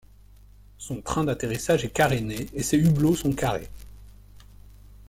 Son train d'atterrissage est caréné, et ses hublots sont carrés.